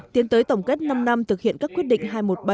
tiến tới tổng kết năm năm thực hiện các quyết định